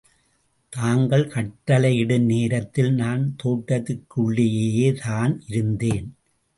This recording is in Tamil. தாங்கள் கட்டளையிடும் நேரத்தில் நான் தோட்டத்திற்குள்ளேயேதான் இருந்தேன்.